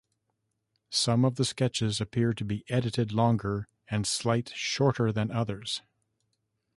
Some of the sketches appear to be edited longer and slight shorter than others.